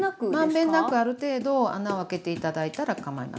満遍なくある程度穴を開けて頂いたらかまいません。